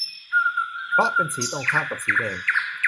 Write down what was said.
เพราะเป็นสีตรงข้ามกับสีแดง